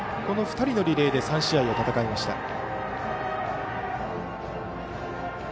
この２人のリレーで３試合を戦いました。